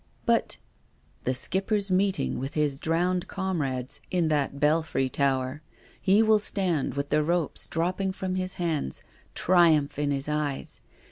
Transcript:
" But—" " The Skipper's meeting with his drowned com rades, in that belfry tower. He will stand with the ropes dropping from his hands, triumph in his eyes.